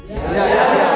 iya pak ustadz aja